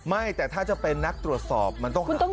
ไม่แต่ถ้าจะเป็นนักตรวจสอบมันต้องหา